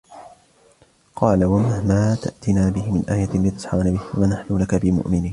وَقَالُوا مَهْمَا تَأْتِنَا بِهِ مِنْ آيَةٍ لِتَسْحَرَنَا بِهَا فَمَا نَحْنُ لَكَ بِمُؤْمِنِينَ